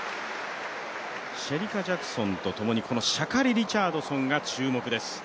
シェリカ・ジャクソンとともにシャカリ・リチャードソンが注目です。